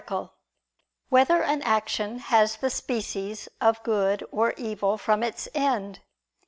6] Whether an Action Has the Species of Good or Evil from Its End?